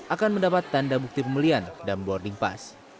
akan mendapat tanda bukti pembelian dan boarding pass